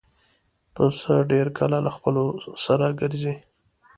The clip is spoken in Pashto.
پسه ډېر کله له خپلو سره ګرځي.